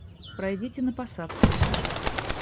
Пройдите на посадку.